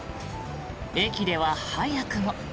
駅では早くも。